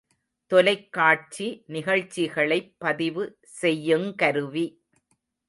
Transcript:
தொலைக்காட்சி நிகழ்ச்சிகளைப் பதிவு செய்யுங் கருவி.